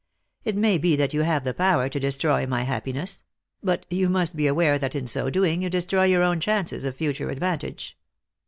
It may be that you have the power to destroy my happiness ; but you must be aware that in so doing you destroy your own chances of future advantage.